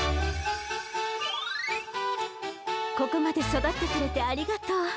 ここまでそだってくれてありがとう。